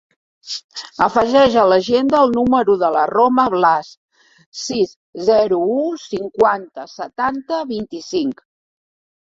Afegeix a l'agenda el número de la Roma Blas: sis, zero, u, cinquanta, setanta, vint-i-cinc.